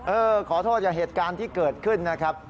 ขอโทษกับเหตุการณ์ที่เกิดขึ้นนะครับ